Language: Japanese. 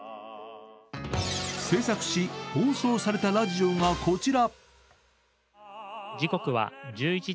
制作し放送されたラジオがこちら。